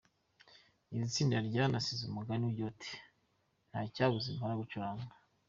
Iri tsinda ryanasize umugani ugira uti "Nta cyabuza impala gucuranga.